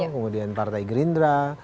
kemudian partai gerindra